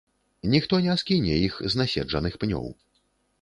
Ніхто не скіне іх з наседжаных пнёў.